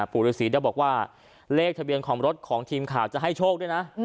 ปู่ฤษีได้บอกว่าเลขทะเบียนของรถของทีมข่าวจะให้โชคด้วยนะ